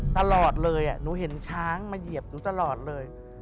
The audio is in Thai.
ตลอดเลยหนูเห็นช้างมาเหยียบหนูตลอดเลย